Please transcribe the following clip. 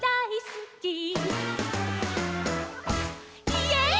イエイ！